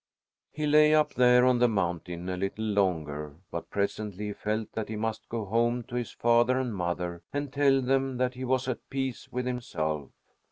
He lay up there on the mountain a little longer, but presently he felt that he must go home to his father and mother and tell them that he was at peace with himself.